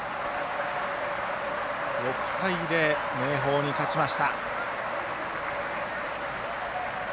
６対０、明豊に勝ちました。